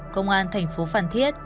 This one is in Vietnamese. công an thành phố phản thiết